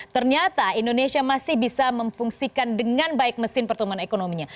ternyata indonesia masih bisa memfungsikan dengan baik mesin pertumbuhan ekonominya